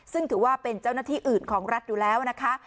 ซึ่งถือว่าเป็นเจ้าหน้าที่อื่นของรัฐอยู่แล้วนะคะ